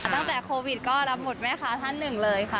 ตั้งแต่โควิดก็รับหมดแม่ค้าท่านหนึ่งเลยค่ะ